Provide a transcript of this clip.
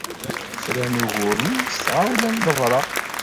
Fran ugur-nni s tɣawla n lebreq.